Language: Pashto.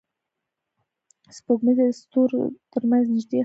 سپوږمۍ د ستورو تر منځ نږدې ښکاري